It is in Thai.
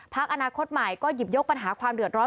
ภารก็ก็หยิบยกปัญหาความเดือดร้อน